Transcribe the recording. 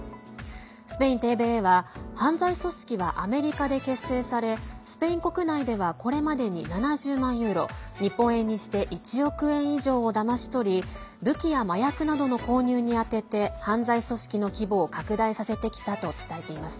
スペインＴＶＥは犯罪組織はアメリカで結成されスペイン国内ではこれまでに７０万ユーロ日本円にして１億円以上をだまし取り武器や麻薬などの購入に充てて犯罪組織の規模を拡大させてきたと伝えています。